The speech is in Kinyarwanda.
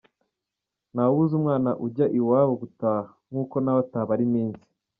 Ntawe ubuza umwana ujya iwabo gutaha, nk’uko nawe atabara iminsi!